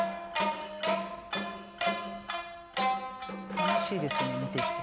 楽しいですね見てて。